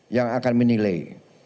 yang akan menilai